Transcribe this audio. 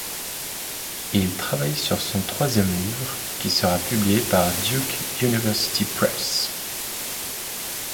Il travaillait sur son troisième livre, ', qui sera publié par Duke University Press.